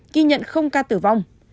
khi nhận ca tử vong